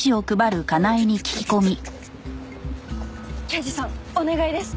刑事さんお願いです。